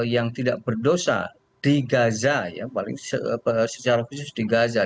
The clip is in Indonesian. yang tidak berdosa di gaza ya paling secara khusus di gaza